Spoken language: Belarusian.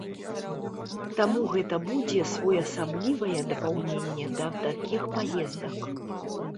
Таму гэта будзе своеасаблівае дапаўненне да такіх паездак.